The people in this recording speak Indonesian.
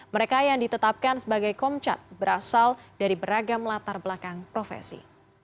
mereka yang ditetapkan sebagai komcat berasal dari beragam latar belakang profesi